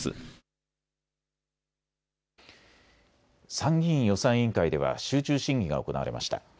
参議院予算委員会では集中審議が行われました。